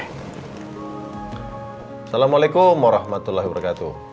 assalamualaikum warahmatullahi wabarakatuh